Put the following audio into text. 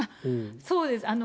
そうです。